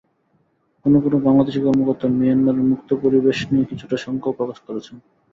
কোনো কোনো বাংলাদেশি কর্মকর্তা মিয়ানমারের মুক্ত পরিবেশ নিয়ে কিছুটা শঙ্কাও প্রকাশ করেছেন।